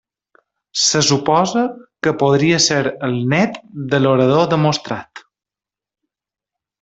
Se suposa que podria ser el nét de l'orador Demostrat.